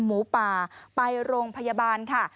หมูป่าไปโรงพยาบาลค่ะ